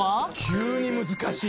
急に難しい。